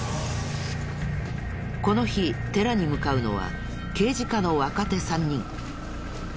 この日寺に向かうのは刑事課の若手３人。